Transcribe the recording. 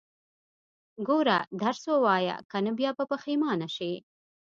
ګوره، درس ووايه، که نه بيا به پښيمانه شې.